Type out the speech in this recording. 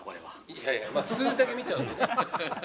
いやいや、数字だけ見ちゃうとね。